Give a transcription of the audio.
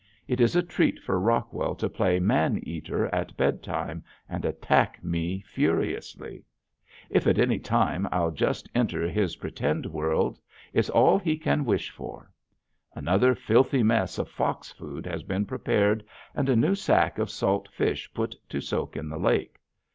It is a treat for Rockwell to play "man eater" at bedtime and attack me furiously. And if at any time I'll just enter his pretend world it's all he can wish for. Another filthy mess of fox food has been prepared and a new sack of salt fish put to soak in the lake.